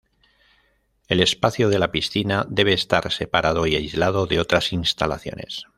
El espacio de la piscina debe estar separado y aislado de otras instalaciones.